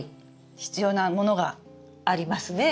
必要なものが！ありますねえ。